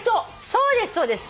そうですそうです！